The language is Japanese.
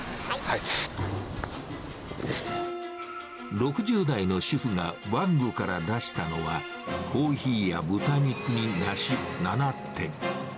６０代の主婦がバッグから出したのは、コーヒーや豚肉に梨、７点。